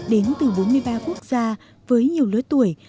đến từ bốn mươi ba quốc gia với nhiều lứa tuổi